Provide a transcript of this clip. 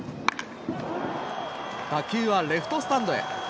打球はレフトスタンドへ。